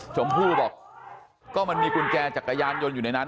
ชมพู่บอกก็มันมีกุญแจจักรยานยนต์อยู่ในนั้น